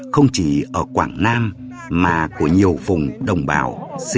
không chỉ ở quảng nam mà của nhiều vùng đồng bào